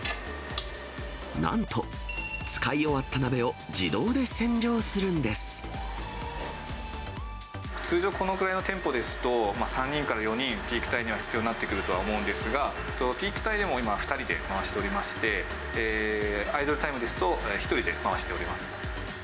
なんと、使い終わった鍋を、通常、このくらいの店舗ですと、３人から４人、ピーク帯には必要になってくるとは思うんですが、ピークタイでも今、２人で回しておりまして、アイドルタイムですと、１人で回しております。